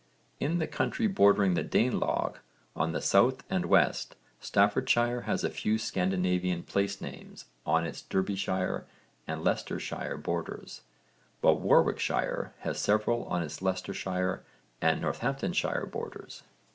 In the country bordering the Danelagh on the south and west, Staffordshire has a few Scandinavian place names on its Derbyshire and Leicestershire borders, while Warwickshire has several on its Leicestershire and Northamptonshire borders.